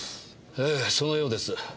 ええそのようです。